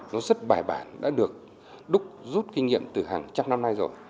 nó rất bài bản đã được đúc rút kinh nghiệm từ hàng trăm năm nay rồi